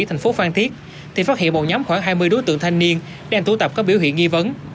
thành phố phan thiết thì phát hiện một nhóm khoảng hai mươi đối tượng thanh niên đang tụ tập có biểu hiện nghi vấn